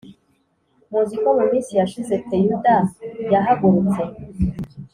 Muzi ko mu minsi yashize Teyuda yahagurutse